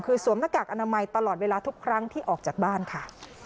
คือสวมหน้ากากอนามัยตลอดเวลาทุกครั้งที่ออกจากบ้านค่ะ